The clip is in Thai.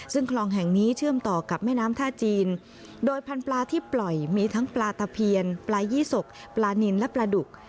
ซึ่งคลองแห่งนี้เชื่อมต่อกับแม่น้ำท่าจีนโดยพันธุ์ปลาที่ปล่อยมีทั้งปลาตะเพียนปลายี่สกปลานินและปลาดุก